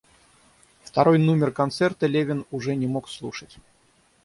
Второй нумер концерта Левин уже не мог слушать.